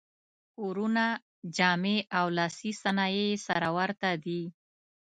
کورونه، جامې او لاسي صنایع یې سره ورته دي.